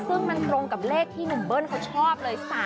ซึ่งมันตรงกับเลขที่หนุ่มเบิ้ลเขาชอบเลย